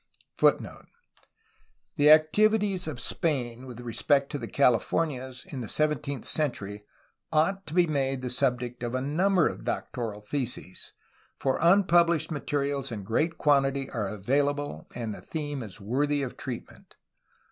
io ^° The activities of Spain with re spect to the Californias in the sev enteenth century ought to be made the subject of a number of doctoral theses, for tmpublished materials in great quantity are available and the theme IS worthy of treatment.